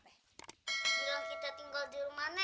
bilang kita tinggal di rumah nenek